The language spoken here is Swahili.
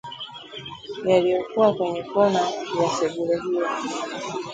yaliyokuwa kwenye kona ya sebule hiyo